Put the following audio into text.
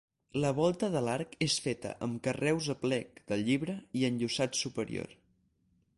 La volta de l'arc és feta amb carreus a plec de llibre i enllosat superior.